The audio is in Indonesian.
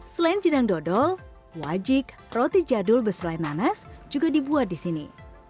selain jenang dodol wajik roti jadul berselai nanas juga dibuat di sini